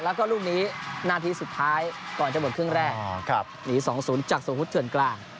แล้วก็ลูกนี้นาทีสุดท้ายก่อนจะหมดครึ่งแรกหนี๒๐จากสมมุติเถื่อนกลาง